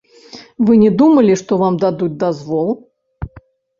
Вы не думалі, што вам дадуць дазвол.